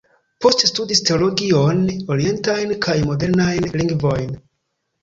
Poste studis teologion, orientajn kaj modernajn lingvojn.